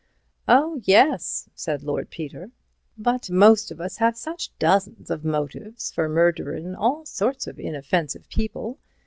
"Oh, yes," said Lord Peter, "but most of us have such dozens of motives for murderin' all sorts of inoffensive people.